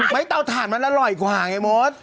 เตาถ่านมันอร่อยกว่าไงมด